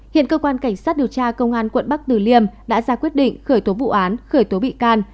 hiện cơ quan cảnh sát điều tra công an quận bắc tử liêm đã ra quyết định khởi tố vụ án khởi tố bị can